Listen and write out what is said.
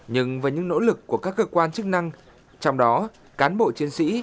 nhưng với những nỗ lực của các cơ quan chức năng trong đó cán bộ chiến sĩ